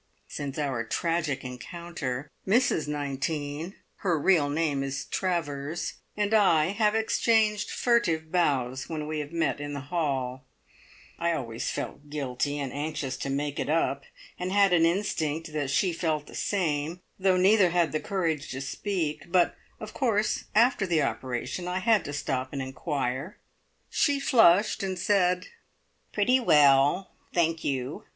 Since our tragic encounter, Mrs Nineteen (her real name is Travers) and I have exchanged furtive bows when we have met in the hall. I always felt guilty, and anxious to "make it up," and had an instinct that she felt the same, though neither had the courage to speak; but, of course, after the operation I had to stop and inquire. She flushed, and said, "Pretty well, thank you.